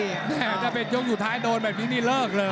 ถ้าเป็นยกสุดท้ายโดนแบบนี้นี่เลิกเลย